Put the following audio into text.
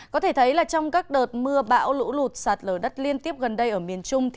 có thể thấy trong các đợt mưa bão lũ lụt sạt lở đất liên tiếp gần đây ở miền trung